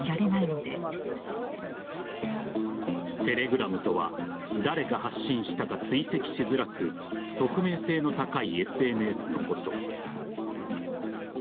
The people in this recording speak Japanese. テレグラムとは誰が発信したか追跡しづらく匿名性の高いＳＮＳのこと。